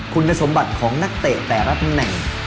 คุณสมบัติของนักเตะแต่ละตำแหน่ง